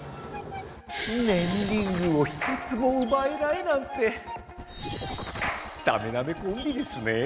ねんリングを一つもうばえないなんてダメダメコンビですねぇ。